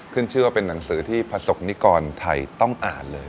ขึ้นชื่อว่าเป็นหนังสือที่ประสบนิกรไทยต้องอ่านเลย